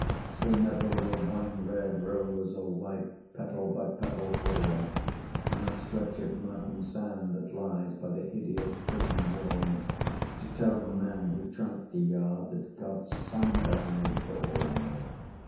So never will wine red rose or white, Petal by petal, fall On that stretch of mud and sand that lies By the hideous prison wall, To tell the men who tramp the yard That God's Son died for all.